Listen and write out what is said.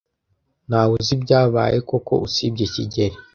Ntawe uzi ibyabaye koko usibye kigeli.